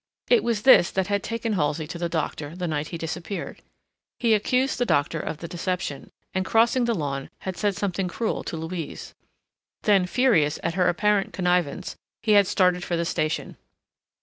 It was this that had taken Halsey to the doctor the night he disappeared. He accused the doctor of the deception, and, crossing the lawn, had said something cruel to Louise. Then, furious at her apparent connivance, he had started for the station.